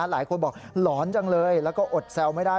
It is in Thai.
หลายคนบอกหลอนจังเลยแล้วก็อดแซวไม่ได้